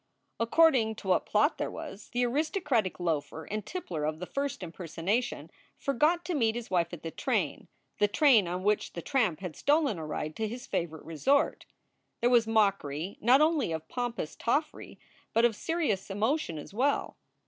According to what plot there was, the aristocratic loafer and tippler of the first impersonation forgot to meet his wife at the train, the train on which the tramp had stolen a ride to his favorite resort. There was mockery not only of pompous toffery, but of serious emotion as well.